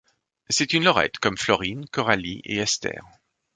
C'est une lorette, comme Florine, Coralie et Esther.